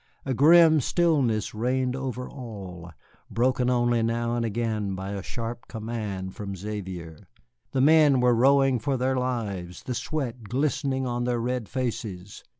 A grim stillness reigned over all, broken only now and again by a sharp command from Xavier. The men were rowing for their lives, the sweat glistening on their red faces.